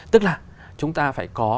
tức là chúng ta phải có